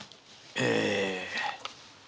え。